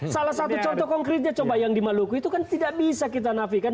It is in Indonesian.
salah satu contoh konkretnya coba yang di maluku itu kan tidak bisa kita nafikan